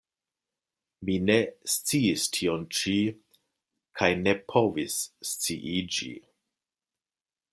Mi ne sciis tion ĉi kaj ne povis sciiĝi.